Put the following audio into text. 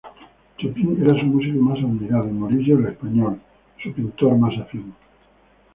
Chopin era su músico más admirado y Murillo, el español, su pintor más afín.